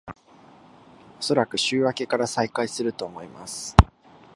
おそらく週明けから再開すると思います